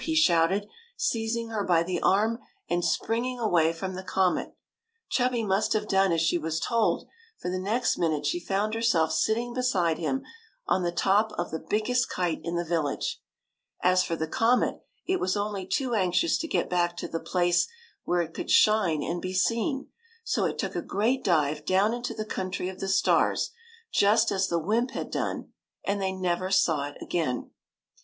'* he shouted, seizing her by the arm and springing away from the comet. Chubby must have done as she was told, for the next minute she found herself sit ting beside him, on the top of the biggest kite in the village. As for the comet, it was only too anxious to get back to the place where it could shine and be seen; so it took a great dive down into the country of the stars, just as the wymp had done, and they never saw it again.